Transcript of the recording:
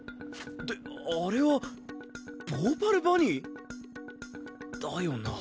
ってあれはヴォーパルバニー？だよな？